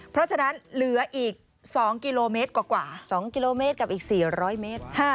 เพราะฉะนั้นเหลืออีก๒กิโลเมตรกว่า๒กิโลเมตรกับอีก๔๐๐เมตร